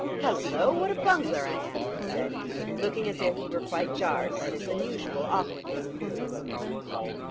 "Hallo! What a bungler I am!" he said, looking as if he were quite jarred by this unusual awkwardness of his.